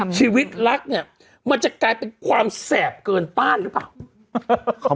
ชีวิตรักเนี่ยมันจะกลายเป็นความแสบเกินต้านหรือเปล่า